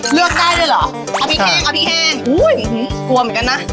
เลือกได้ด้วยเหรอเอาพริกแห้งเอาพริกแห้งอุ้ยกลัวเหมือนกันนะ